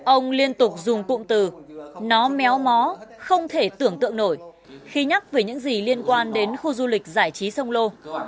ông liên tục dùng cụm từ nó méo mó không thể tưởng tượng nổi khi nhắc về những gì liên quan đến khu du lịch giải trí sông lô